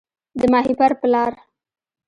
د ماهیپر په لار